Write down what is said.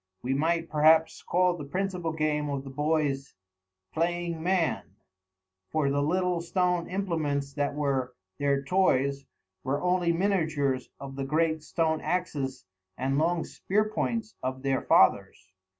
We might, perhaps, call the principal game of the boys "Playing Man," for the little stone implements that were their toys were only miniatures of the great stone axes and long spear points of their fathers.